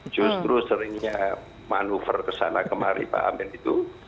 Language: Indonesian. justru seringnya manuver ke sana kemari pak amin itu